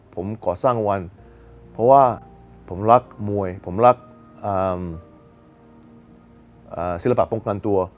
ผมก่อสร้างวันเพราะว่าผมรักมวยผมรักศิลปะป้องกันตัว